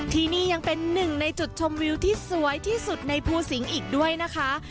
ที่นี่ยังเป็นหนึ่งในจุดชมวิวที่สวยที่สุดในภูสิงศ์อีกด้วยนะคะ